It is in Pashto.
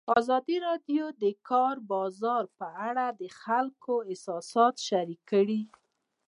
ازادي راډیو د د کار بازار په اړه د خلکو احساسات شریک کړي.